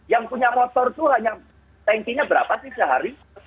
yang punya motor itu hanya tankinya berapa sih sehari